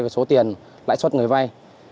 số tiền lãi xuất người vay